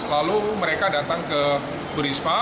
lalu mereka datang ke burisma